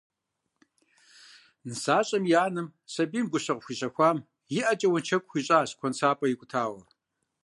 Нысащӏэм и анэм, сэбийм гущэ къыхуищэхуам, и ӏэкӏэ уэншэку хуищӏащ куэнсапӏэ икӏутауэ.